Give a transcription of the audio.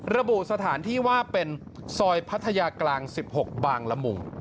ระบุสถานที่ว่าเป็นซอยพัทยากลาง๑๖บางละมุง